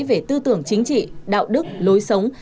về tư tưởng chính trị đạo đức lối sống